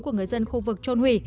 của người dân khu vực trôn hủy